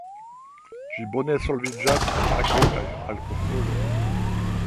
Ĝi bone solviĝas en akvo kaj alkoholo.